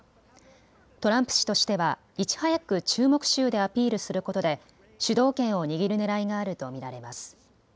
トランプ氏としてはいち早く注目州でアピールすることで主導権をにぎるねらいがあると見られます。